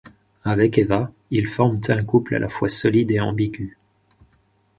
Avec Eva, ils forment un couple à la fois solide et ambigu.